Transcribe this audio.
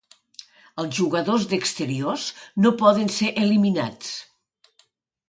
Els jugadors d'exteriors no poden ser eliminats.